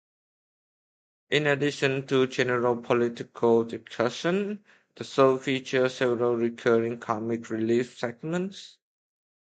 In addition to general political discussion, the show featured several recurring comic relief segments.